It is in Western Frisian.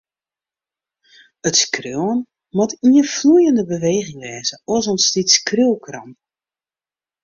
It skriuwen moat ien floeiende beweging wêze, oars ûntstiet skriuwkramp.